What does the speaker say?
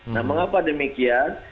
nah mengapa demikian